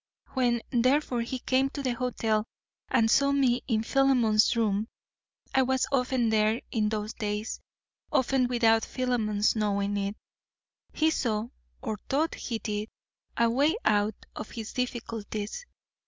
When, therefore, he came to the hotel and saw me in Philemon's room I was often there in those days, often without Philemon's knowing it he saw, or thought he did, a way out of his difficulties.